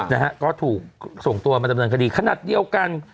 นะฮะก็ถูกส่งตัวมาดำเนินคดีขนาดเดียวกัน